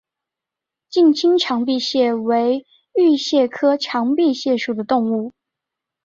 近亲长臂蟹为玉蟹科长臂蟹属的动物。